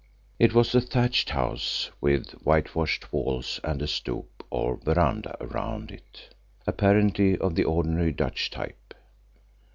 It was a thatched house with whitewashed walls and a stoep or veranda round it, apparently of the ordinary Dutch type.